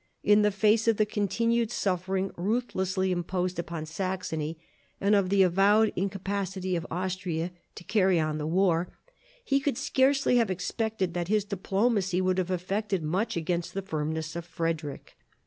In the face of the continued suffering ruthlessly imposed upon Saxony, and of the avowed incapacity of Austria to carry on the war, he could scarcely have expected that his diplomacy would have effected much against the firmness of Frederick.